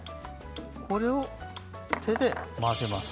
これを手で混ぜます。